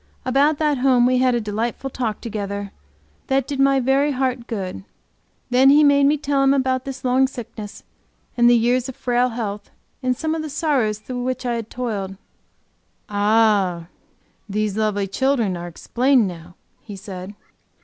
About that home we had a delightful talk together that did my very heart good. Then he made me tell him about this long sickness and the years of frail health and some of the sorrows through which I had toiled. "Ah, these lovely children are explained now," he said.